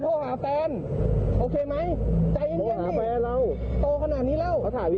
บอกว่าพี่พีทีโอ้พี่ไทยตั้งแต่แรกแล้ว